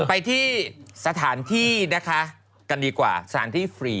ไปที่สถานที่นะคะกันดีกว่าสถานที่ฟรี